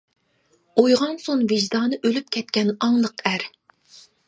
ئويغانسۇن ۋىجدانى ئۆلۈپ كەتكەن «ئاڭلىق» ئەر.